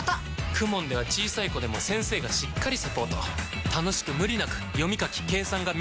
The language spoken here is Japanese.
ＫＵＭＯＮ では小さい子でも先生がしっかりサポート楽しく無理なく読み書き計算が身につきます！